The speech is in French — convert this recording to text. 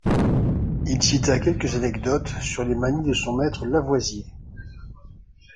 Il cita quelques anecdotes sur les manies de son maître Lavoisier.